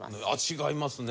違いますね。